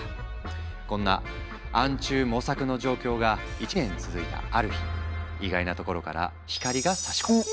こんな暗中模索の状況が１年続いたある日意外なところから光がさし込む。